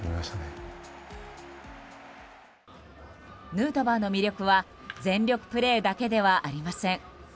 ヌートバーの魅力は全力プレーだけではありません。